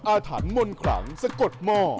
อาถานมลขหลังสะกดหม้อ